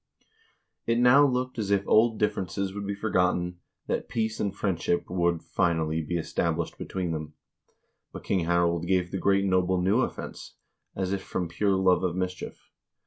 It now looked as if old differences would be for gotten, that peace and friendship would, finally, be established be tween them. But King Harald gave the great noble new offense, as if from pure love of mischief.